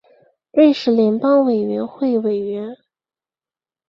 瑞士联邦委员会委员。